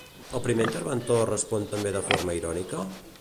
El primer interventor respon també de forma irònica?